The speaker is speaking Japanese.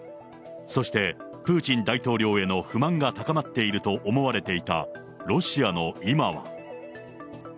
そしてプーチン大統領への不満が高まっていると思われていたロシアの今は。